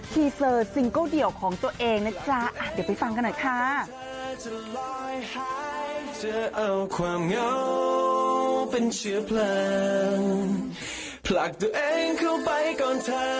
ีเซอร์ซิงเกิลเดี่ยวของตัวเองนะจ๊ะเดี๋ยวไปฟังกันหน่อยค่ะ